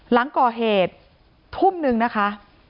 หลังก่อเหตุทุ่มนึงนะคะ